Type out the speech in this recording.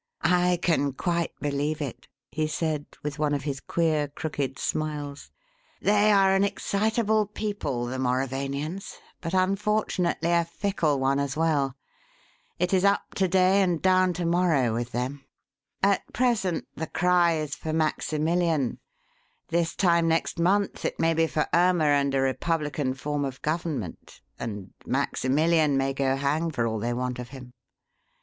"I can quite believe it," he said, with one of his queer, crooked smiles. "They are an excitable people, the Mauravanians, but, unfortunately, a fickle one as well. It is up to day and down to morrow with them. At present the cry is for Maximillian; this time next month it may be for Irma and a republican form of government, and Maximillian may go hang for all they want of him.